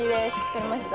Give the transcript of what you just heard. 取れました。